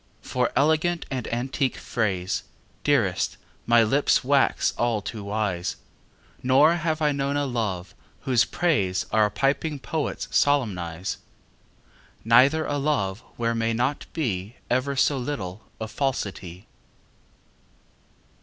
For elegant and antique phrase, Dearest, my lips wax all too wise; Nor have I known a love whose praise Our piping poets solemnize, Neither a love where may not be Ever so little falsity.